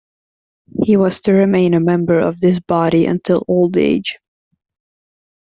He was to remain a member of this body until old age.